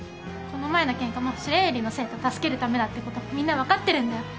この前のケンカも白百合の生徒助けるためだってことみんな分かってるんだよ。